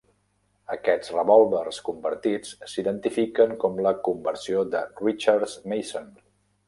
Aquests revòlvers convertits s'identifiquen com la "conversió de Richards-Mason".